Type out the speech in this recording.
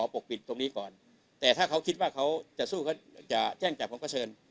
ปกปิดตรงนี้ก่อนแต่ถ้าเขาคิดว่าเขาจะสู้เขาจะแจ้งจับผมก็เชิญ